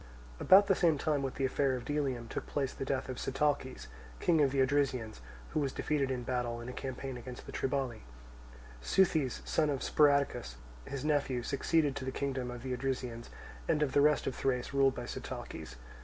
About the same time with the affair of Delium took place the death of Sitalces, king of the Odrysians, who was defeated in battle, in a campaign against the Triballi; Seuthes, son of Sparadocus, his nephew, succeeding to the kingdom of the Odrysians, and of the rest of Thrace ruled by Sitalces.